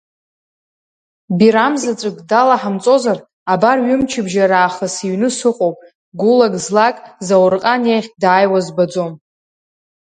Бирам заҵәык далаҳамҵозар, абар ҩымчыбжьа раахыс иҩны сыҟоуп, гулак-злак Заурҟан иахь дааиуа збаӡом.